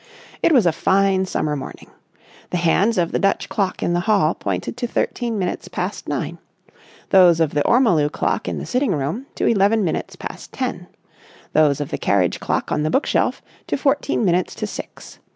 It was a fine summer morning. The hands of the Dutch clock in the hall pointed to thirteen minutes past nine; those of the ormolu clock in the sitting room to eleven minutes past ten; those of the carriage clock on the bookshelf to fourteen minutes to six.